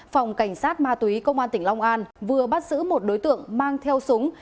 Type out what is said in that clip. phòng cảnh sát ma túy công an tỉnh long an vừa bắt giữ một đối tượng mang theo súng